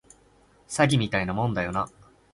詐欺みたいなもんだよな